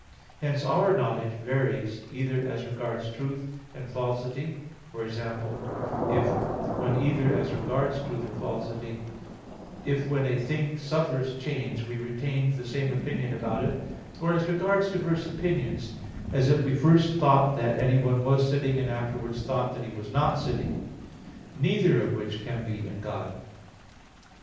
Hence our knowledge varies either as regards truth and falsity, for example, if when either as regards truth and falsity, for example, if when a thing suffers change we retained the same opinion about it; or as regards diverse opinions, as if we first thought that anyone was sitting, and afterwards thought that he was not sitting; neither of which can be in God.